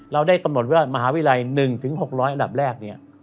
เราได้กระโบตว๘๔มาหาวิรัยหนึ่งถึงหกร้อยอันดับแรก